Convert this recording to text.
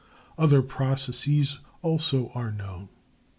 Other processes also are known.